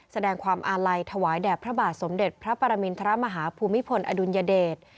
แสดงความอาลัยถวายแด่พระบาทสมเด็จพระปรมินทรมาฮาภูมิพลอดุลยเดช